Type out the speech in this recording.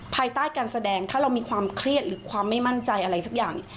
ภายใต้การแสดงถ้าเรามีความเครียดหรือความไม่มั่นใจอะไรสักอย่าง